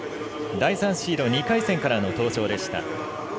第３シード２回戦からの登場でした。